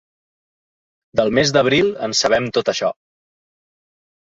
Del mes d’abril, en sabem tot això.